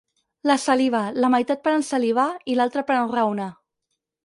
La saliva, la meitat per ensalivar i l'altra per enraonar.